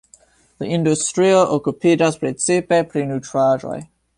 La industrio okupiĝas precipe pri nutraĵoj.